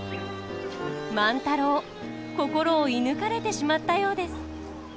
万太郎心を射ぬかれてしまったようです。